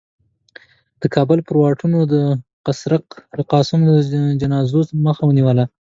د کابل پر واټونو د قرصک رقاصانو د جنازو مخه ونیوله.